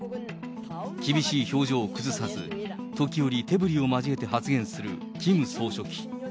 厳しい表情を崩さず、時折、手ぶりを交えて発言するキム総書記。